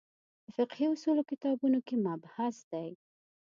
د فقهې اصولو کتابونو کې مبحث دی.